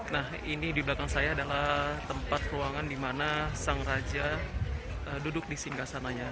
nah ini di belakang saya adalah tempat ruangan di mana sang raja duduk di singgah sananya